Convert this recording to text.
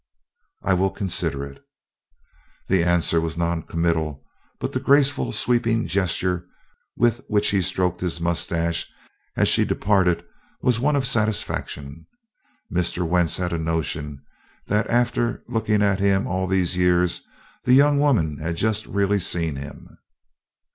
"I will consider it." The answer was noncommittal, but the graceful sweeping gesture with which he stroked his mustache as she departed was one of satisfaction. Mr. Wentz had a notion that after looking at him for all these years the young woman had just really seen him.